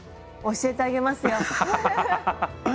教えてあげますよ。